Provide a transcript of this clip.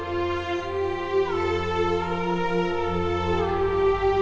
emang aku heran pun